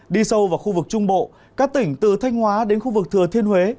đi sâu vào khu vực trung bộ các tỉnh từ thanh hóa đến khu vực thừa thiên huế